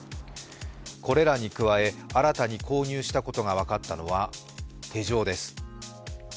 これらに加え、新たに購入したことが分かったのは手錠です。